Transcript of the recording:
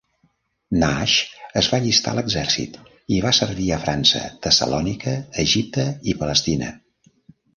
Nash es va allistar a l'exèrcit i va servir a França, Tessalònica, Egipte i Palestina.